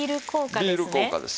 ビール効果です。